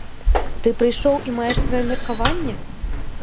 Ты прыйшоў і маеш свае меркаванне?